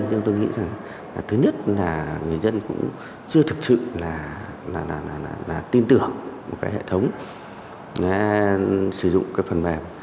nhưng tôi nghĩ rằng thứ nhất là người dân cũng chưa thực sự là tin tưởng một cái hệ thống sử dụng cái phần mềm